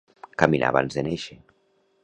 Caminar abans de néixer.